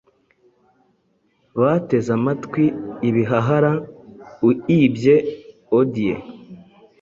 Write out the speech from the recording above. bateze amatwi ibihahara, uibye Odyeu,